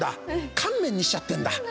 乾麺にしちゃってんだ。